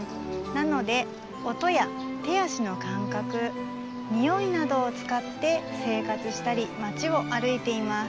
なので音や手足のかんかくにおいなどをつかって生活したり町を歩いています。